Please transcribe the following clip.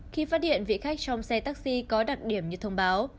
khi phát hiện vị khách trong xe taxi có đặc điểm như thông báo